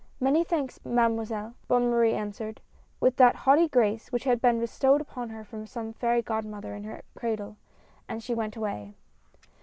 "Many thanks. Mademoiselle," Bonne Marie an swered, with that haughty grace which had been bestowed upon her from some fairy godmother in her cradle, and she went away.